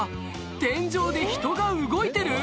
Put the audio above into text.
天井で人が動いてる？